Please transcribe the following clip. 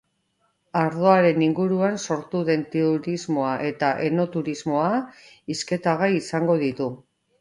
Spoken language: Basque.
Ardoaren inguruan sortu den turismoa eta enoturismoa hizketagai izango ditu.